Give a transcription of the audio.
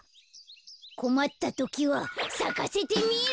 こまったときはさかせてみる。